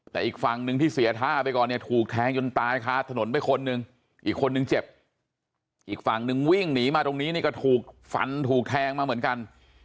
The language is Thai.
แต่อีกฝั่งหนึ่งที่เสียท่าไปก่อนเนี่ยถูกแทงจนตายคาถนนไปคนหนึ่งอีกคนนึงเจ็บอีกฝั่งนึงวิ่งหนีมาตรงนี้นี่ก็ถูกฟันถูกแทงมาเหมือนกัน